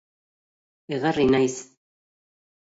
Egarri naiz.